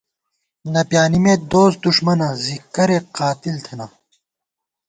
نہ پیانِمېت دوست دُݭمَنہ زی کریَک قاتِل تھنہ